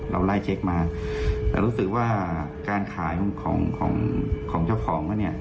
เราไล่เช็คมาแต่รู้สึกว่าการขายของของเจ้าของเขาเนี่ย